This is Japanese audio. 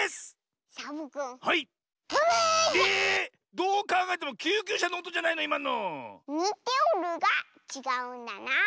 どうかんがえてもきゅうきゅうしゃのおとじゃないのいまの。にておるがちがうんだな。